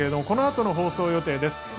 このあとの放送予定です。